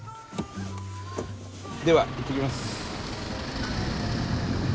では行ってきます。